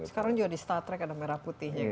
sekarang juga di star trek ada merah putihnya